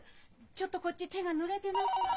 ちょっとこっち手がぬれてますのよ。